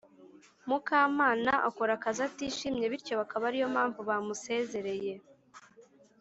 mukamana akora akazi atishimye bityo bikaba ariyo mpamvu bamusezereye